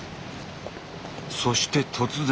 そして突然。